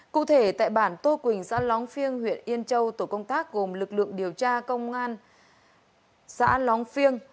cụ thể tại bản tô quỳnh xã lóng phiêng huyện yên châu tổ công tác gồm lực lượng điều tra công an xã lóng phiêng